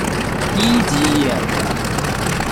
一级演员。